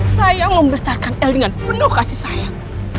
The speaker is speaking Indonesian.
saya mau membesarkan el dengan penuh kasih sayang